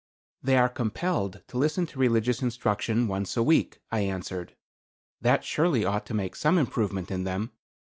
"They are all compelled to listen to religious instruction once a week," I answered. "That surely ought to make some improvement in them.